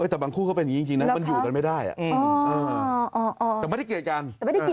แต่บางคู่มันอยู่กันไม่ได้แต่ไม่ได้เกลียดกัน